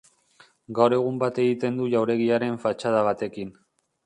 Gaur egun bat egiten du jauregiaren fatxada batekin.